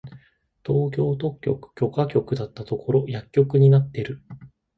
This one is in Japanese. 東京特許許可局だったところ薬局になってる！